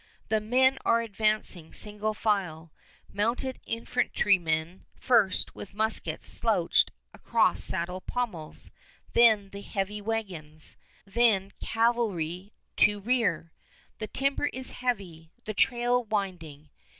The men are advancing single file, mounted infantrymen first with muskets slouched across saddle pommels, then the heavy wagons, then cavalry to rear. The timber is heavy, the trail winding.